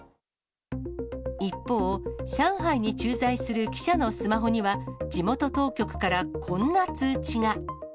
一方、上海に駐在する記者のスマホには、地元当局からこんな通知が。